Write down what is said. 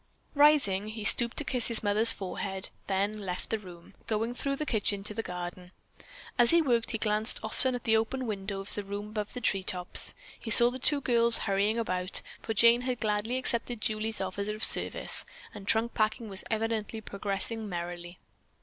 Rising, he stooped to kiss his mother's forehead, then left the room, going through the kitchen to the garden. As he worked he glanced often at the open windows of the room above the tree tops. He saw the two girls hurrying about, for Jane had gladly accepted Julie's offer of service, and the trunk packing was evidently progressing merrily.